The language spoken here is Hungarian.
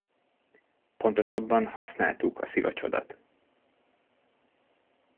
Pontosabban használtuk a szivacsodat.